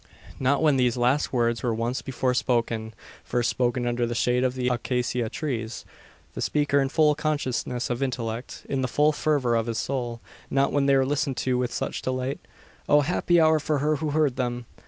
Not when these last words were once before spoken first spoken under the shade of the acacia trees the speaker in full consciousness of intellect in the full fervour of his soul not then were they listened to with such delight. O, happy hour for her who heard them!